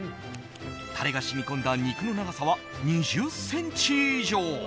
タレが染み込んだ肉の長さは２０ｃｍ以上。